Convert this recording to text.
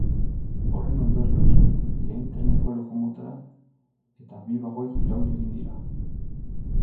Horren ondorioz, lehen treneko lokomotora eta bi bagoi irauli egin dira.